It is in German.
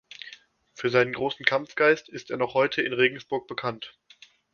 Für seinen großen Kampfgeist ist er noch heute in Regensburg bekannt.